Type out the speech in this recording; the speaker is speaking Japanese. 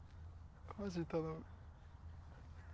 マジで頼む。